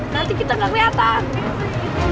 nanti kita gak keliatan